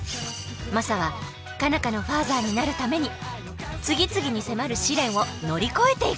マサは佳奈花のファーザーになるために次々に迫る試練を乗り越えていく。